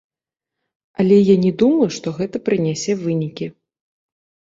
Але я не думаю, што гэта прынясе вынікі.